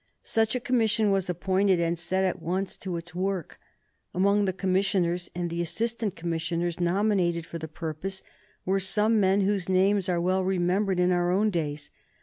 Such a commission was appointed and set at once to its work. Among the commissioners and the assistant commissioners nominated for the purpose were some men whose names are well remembered in our own days.